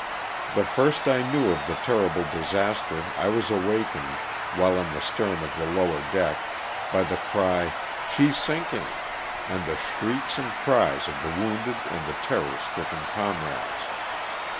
The first I knew of the terrible disaster I was awakened, while in the stern of the lower deck, by the cry *' she's sinking," and the shrieks and cries of the wounded and the terror stricken comrades.